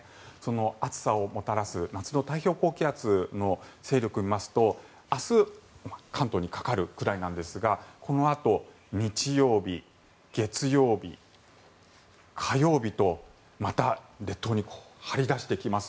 暑さをもたらす夏の太平洋高気圧の勢力を見ますと明日関東にかかるくらいなんですがこのあと日曜日、月曜日火曜日とまた列島に張り出してきます。